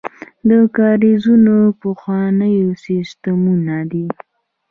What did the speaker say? کاریزونه پخواني سیستمونه دي.